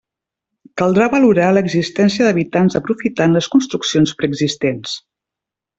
Caldrà valorar l'existència d'hàbitats aprofitant les construccions preexistents.